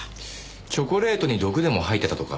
チョコレートに毒でも入ってたとか？